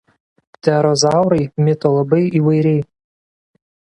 Pterozaurai mito labai įvairiai.